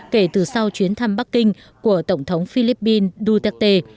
kể từ sau chuyến thăm bắc kinh của tổng thống philippines duterte